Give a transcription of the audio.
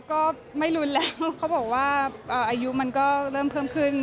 ก็ไม่รุนแรงเขาบอกว่าอายุมันก็เริ่มเพิ่มขึ้น